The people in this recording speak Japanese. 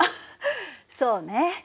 そうね。